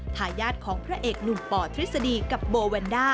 ทายาทของพระเอกหนุ่มปทฤษฎีกับโบแวนด้า